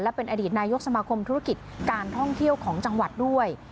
เป็นอดีตนายกสมาคมธุรกิจการท่องเที่ยวของจังหวัดด้วย